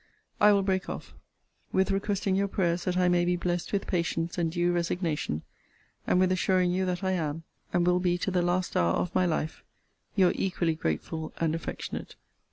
I will break off, with requesting your prayers that I may be blessed with patience and due resignation; and with assuring you, that I am, and will be to the last hour of my life, Your equally grateful and affectionate CL.